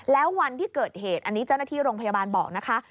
แล้ววันที่เกิดเหตุอันนี้เจ้าหน้าที่โรงพยาบาลบอกนะคะ